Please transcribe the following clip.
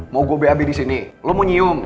mau gue bab di sini lo mau nyium